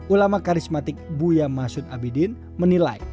ulama karismatik buya masud abidin menilai